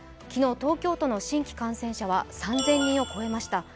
昨日、東京都の新規感染者は３０００人を超えました。